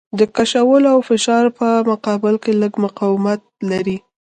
د کشولو او فشار په مقابل کې لږ مقاومت لري.